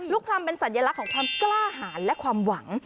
พรรมเป็นสัญลักษณ์ของความกล้าหารและความหวัง